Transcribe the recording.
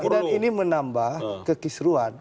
dan ini menambah kekisruan